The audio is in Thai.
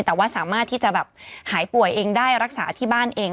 แต่ว่าสามารถที่จะแบบหายป่วยเองได้รักษาที่บ้านเอง